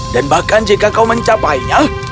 dan bahkan jika kau mencapainya